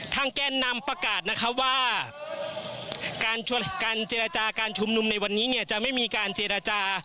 ทางแก้นนำประกาศว่าการเจรจาการชมนุมในวันนี้จะไม่มีการเจรจา